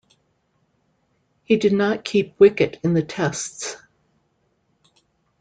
He did not keep wicket in the Tests.